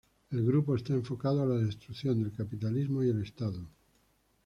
El grupo está enfocado a la destrucción del capitalismo y el Estado.